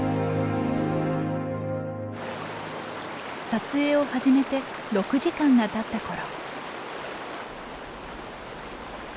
撮影を始めて６時間がたった頃。